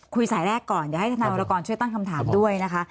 สายแรกก่อนเดี๋ยวให้ทนายวรกรช่วยตั้งคำถามด้วยนะคะ